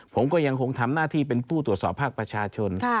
ผมก็ยังคงทำหน้าที่เป็นผู้ตรวจสอบภาคประชาชน